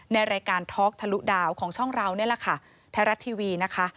ในรายการท็อกทะลุดาวของช่องเรานี่แหละค่ะไทยรัฐทีวีนะคะ